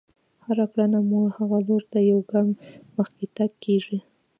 هره کړنه مو هغه لور ته يو ګام مخکې تګ کېږي.